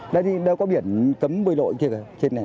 đây thì đâu có biển cấm bơi lội kia trên này